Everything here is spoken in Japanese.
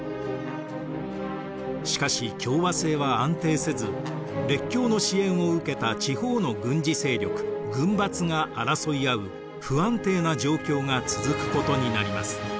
しかし共和制は安定せず列強の支援を受けた地方の軍事勢力軍閥が争い合う不安定な状況が続くことになります。